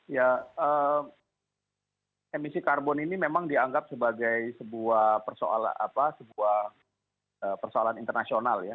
ya emisi karbon ini memang dianggap sebagai sebuah persoalan internasional ya